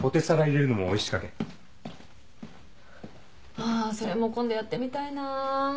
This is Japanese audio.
あそれも今度やってみたいな。